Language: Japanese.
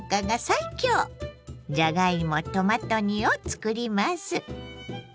じゃがいもトマト煮をつくります。